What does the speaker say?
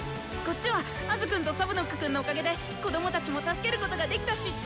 こっちはアズくんとサブノックくんのおかげで子供たちも助けることができたし。